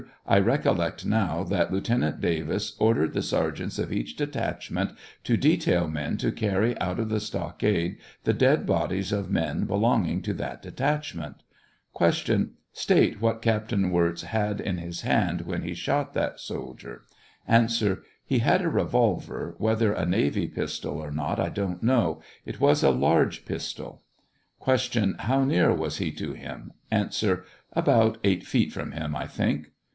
I recollect now that Lieutenant Davis ordered the sergeants of each detachment to detail men to carry out of the stockade the dead bodies of men belonging to that detach ment. Q. State what Captain Wirz had in his hand when he shot that soldier. A. He had a revolver, whether a navy pistol or not I don't know ; it was a large pistol. Q. How near was he to him ? A. About eight feet from him, I think.